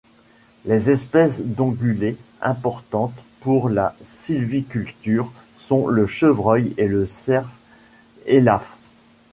Les espèces d'ongulés importantes pour la sylviculture sont le chevreuil et le cerf élaphe.